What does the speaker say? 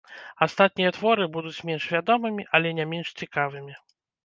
Астатнія творы будуць менш вядомымі, але не менш цікавымі.